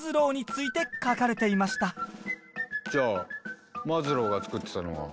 じゃあマズローがつくってたのは。